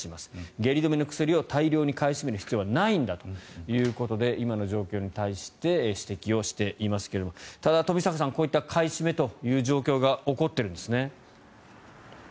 下痢止めの薬を大量に買い占める必要はないんだということで今の状況に対して指摘していますがただ、冨坂さんこういった買い占めという状況が起こっているんですね。